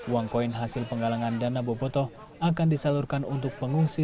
uang koin hasil penggalangan dana bobotoh akan disalurkan untuk pengungsi